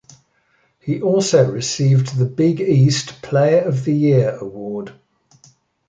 He also received the Big East Player of the Year award.